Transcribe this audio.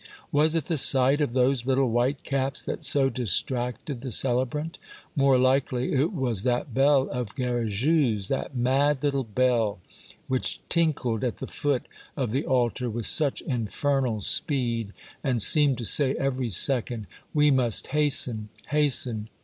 Was it the sight of those little white caps that so distracted the celebrant? More likely it was that bell of Garrigou's, that mad Httle bell, which tinkled at the foot of the altar with such infernal speed, and seemed to say every second :We must hasten, hasten